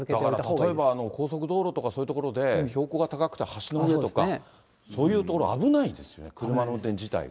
例えば高速道路とかそういう所で、標高が高くて、橋の上とか、そういう所は危ないですよね、車の運転自体が。